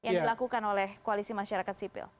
yang dilakukan oleh koalisi masyarakat sipil